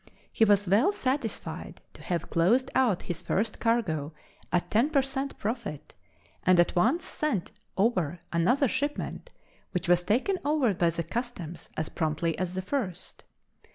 He was well satisfied to have closed out his first cargo at ten per cent profit, and at once sent over another shipment which was taken over by the customs as promptly as the first.